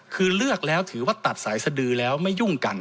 คือเลือกแล้วถือว่าตัดสายสดือแล้วไม่ยุ่งกัน